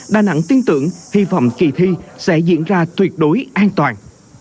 đà nẵng tin tưởng hy vọng kỳ thi sẽ diễn ra tuyệt đối an toàn